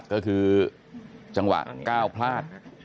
ก็คือจังหวะ๙พลาด